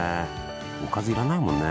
おかず要らないもんね